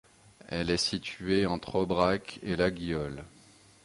Elle est située entre Aubrac et Laguiole.